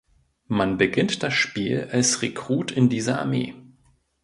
Man beginnt das Spiel als Rekrut in dieser Armee.